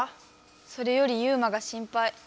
それよりユウマが心配。